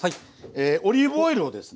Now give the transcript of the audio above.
オリーブオイルをですね